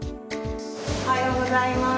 おはようございます。